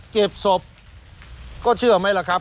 เก็บศพก็เชื่อไหมล่ะครับ